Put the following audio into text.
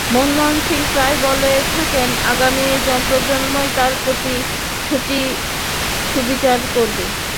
মনমোহন সিং প্রায়ই বলে থাকেন, আগামী প্রজন্মই তাঁর প্রতি সুবিচার করবে।